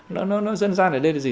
nó nó nó dân gian ở đây là gì